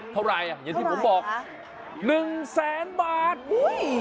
เท่าไหร่เหรออย่างที่ผมบอกหนึ่งแสนบาทอุ้ย